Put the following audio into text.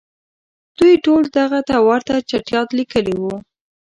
دوی ټولو دغه ته ورته چټیاټ لیکلي وو.